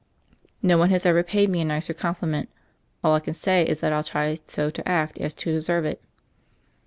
"No one has ever paid me a nicer compliment. All I can say is that I'll try so to act as to de serve It."